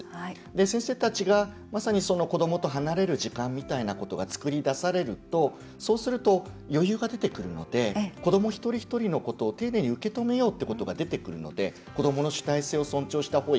先生たちが、まさに子どもと離れる時間を作り出されるとそうすると、余裕が出てくるので子ども一人一人のことを丁寧に受け止めようということが出てくるので子どもの主体性を尊重した保育。